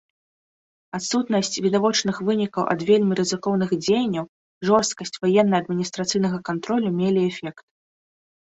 Адсутнасць відавочных вынікаў ад вельмі рызыкоўных дзеянняў, жорсткасць ваенна-адміністрацыйнага кантролю мелі эфект.